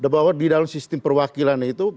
bahwa di dalam sistem perwakilan itu